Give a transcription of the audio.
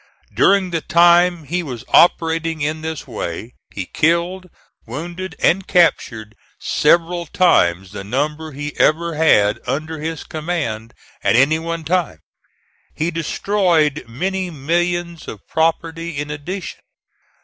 During the time he was operating in this way he killed, wounded and captured several times the number he ever had under his command at any one time. He destroyed many millions of property in addition.